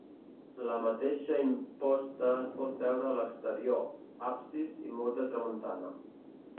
La mateixa imposta es pot veure a l'exterior, absis i mur de tramuntana.